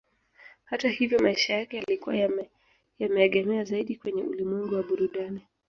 Hata hivyo maisha yake yalikuwa yameegemea zaidi kwenye ulimwengu wa burudani